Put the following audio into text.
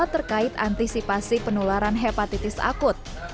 terkait antisipasi penularan hepatitis akut